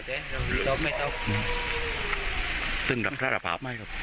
หาหรือหรือซึ่งรับทราบภาพไหมครับ